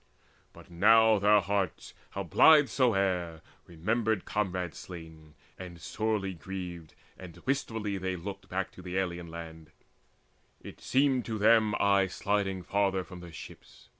But now their hearts, How blithe soe'er, remembered comrades slain, And sorely grieved, and wistfully they looked Back to the alien's land; it seemed to them Aye sliding farther from their ships.